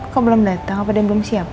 kok belum dateng